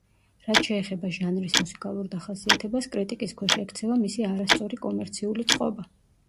რაც შეეხება ჟანრის მუსიკალურ დახასიათებას, კრიტიკის ქვეშ ექცევა მისი არასწორი კომერციული წყობა.